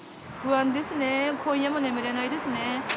不安ですね、今夜も眠れないですね。